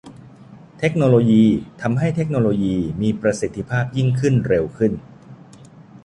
เทคโนโลยีทำให้เทคโนโลยีมีประสิทธิภาพยิ่งขึ้นเร็วขึ้น